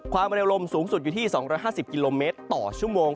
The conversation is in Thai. ความเร็วลมสูงสุดอยู่ที่๒๕๐กิโลเมตรต่อชั่วโมง